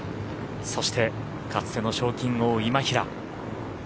そしてかつての賞金王・今平。